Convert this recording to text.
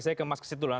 saya ke mas kecit dulu